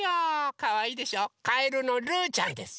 かわいいでしょかえるのルーちゃんです。